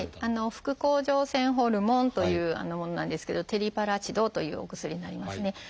「副甲状腺ホルモン」というものなんですけど「テリパラチド」というお薬になりますね。